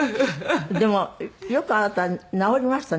でもよくあなた治りましたねそれ。